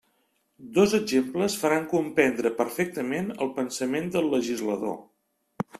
Dos exemples faran comprendre perfectament el pensament del legislador.